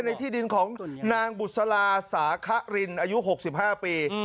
ในที่ดินของนางบุษลาสาขรินอายุ๖๕ปี